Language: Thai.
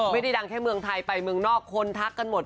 ไม่ได้ดังแค่เมืองไทยไปเมืองนอกคนทักกันหมด